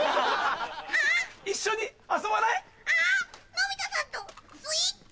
のび太さんとスイッチ！